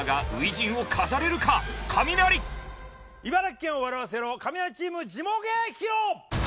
茨城県を笑わせろカミナリチームジモ芸披露！